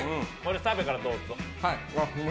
澤部からどうぞ。